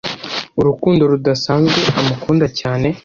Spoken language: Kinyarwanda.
urukundo rudasanzwe amukunda cyane